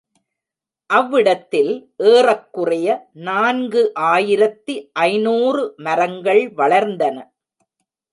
அவ்விடத்தில் ஏறக்குறைய நான்கு ஆயிரத்து ஐநூறு மரங்கள் வளர்ந்தன.